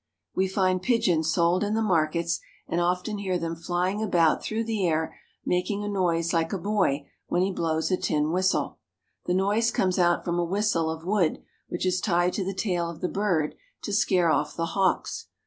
We find pigeons sold in the markets and often hear them flying about through the air making a noise like a boy when he blows a tin whistle. The noise comes from a whistle of wood which is tied to the tail of the bird to scare off the hawks.